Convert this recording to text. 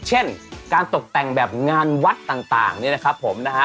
เช่นการตกแต่งแบบงานวัดต่างเนี่ยนะครับผมนะฮะ